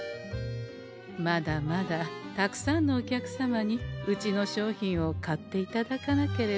まだまだたくさんのお客様にうちの商品を買っていただかなければ。